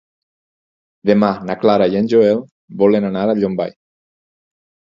Demà na Clara i en Joel volen anar a Llombai.